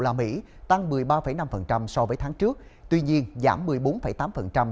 la mỹ tăng một mươi ba năm phần trăm so với tháng trước tuy nhiên giảm một mươi bốn tám phần trăm